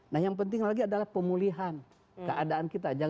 nah yang penting lagi adalah pemulihan keadaan kita